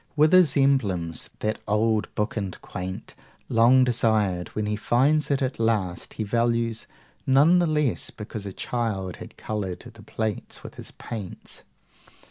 Wither's Emblems, "that old book and quaint," long desired, when he finds it at last, he values none the less because a child had coloured the plates with his paints.